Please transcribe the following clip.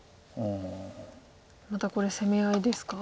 またこれ攻め合いですか？